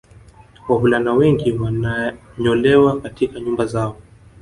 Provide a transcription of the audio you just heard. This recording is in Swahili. Wavulana wengi wananyolewa katika nyumba zao